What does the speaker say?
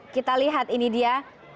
kita lihat ini dia